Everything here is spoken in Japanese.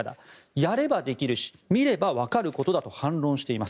やればできるし見ればわかることだと反論しています。